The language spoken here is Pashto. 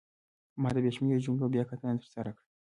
ما د بې شمېره جملو بیاکتنه ترسره کړه.